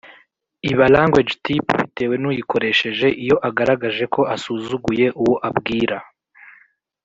iba language tip bitewe n‘uyikoresheje iyo agaragaje ko asuzuguye uwo abwira.